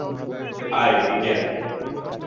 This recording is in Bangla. আয়, এদিকে আয়।